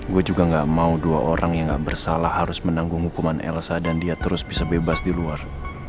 gue juga gak mau dua orang yang gak bersalah harus menanggung hukuman elsa dan dia terus bisa bebas di luar